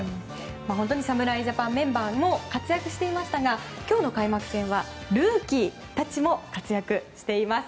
侍ジャパンメンバーも活躍していましたが今日の開幕戦はルーキーたちも活躍しています。